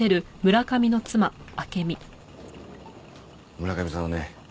村上さんはね